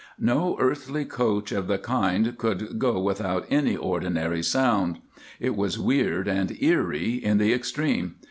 "No earthly coach of the kind could go without any ordinary sound. It was weird and eerie in the extreme.